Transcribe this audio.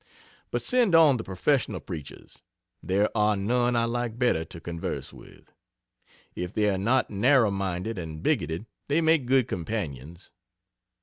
But send on the professional preachers there are none I like better to converse with. If they're not narrow minded and bigoted they make good companions.